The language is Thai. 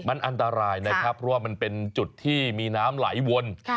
มันอันตรายนะครับเพราะว่ามันเป็นจุดที่มีน้ำไหลวน